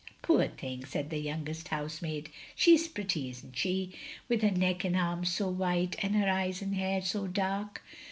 "Poor thing," said the youngest housemaid, " She 's pretty, is n't she, with her neck and arms so white, and her eyes and hair so dark.